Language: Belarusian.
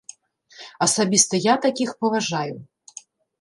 Асабіста я такіх паважаю.